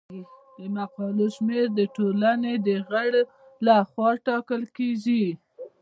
د مقالو شمیر د ټولنې د غړو لخوا ټاکل کیږي.